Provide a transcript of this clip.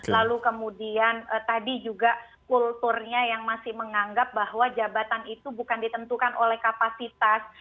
lalu kemudian tadi juga kulturnya yang masih menganggap bahwa jabatan itu bukan ditentukan oleh kapasitas